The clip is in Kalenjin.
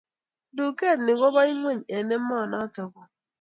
Duket ni koba ingweny eng emonotok oo